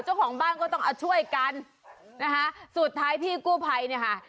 เจ้าของบ้านก็ต้องเอาช่วยกันนะคะสุดท้ายพี่กู้ภัยเนี่ยค่ะ